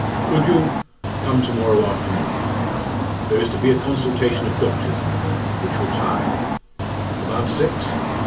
"Could you come to morrow afternoon? There is to be a consultation of doctors in the morning, which will tire him. About six?